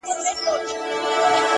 پر دغه روح خو الله اکبر نه دی په کار~